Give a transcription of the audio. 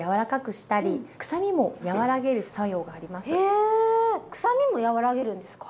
へえくさみも和らげるんですか？